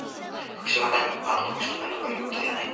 特殊が単に一般の特殊となるとかいうことではない。